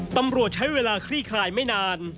ตำรวจใช้เวลาคลี่คลายไม่นาน